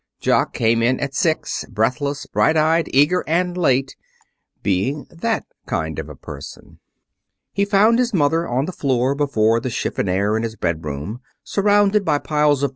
Jock came in at six, breathless, bright eyed, eager, and late, being that kind of a person. He found his mother on the floor before the chiffonier in his bedroom, surrounded by piles of pajamas, socks, shirts and collars.